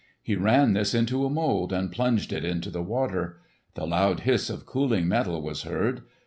He ran this into a mould and plunged it into the water. The loud hiss of cooling metal was heard.